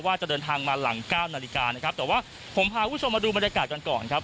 ว่าจะเดินทางมาหลังก้าวนาฬิกาแต่ว่าผมพาผู้ชมมาดูบรรยากาศก่อน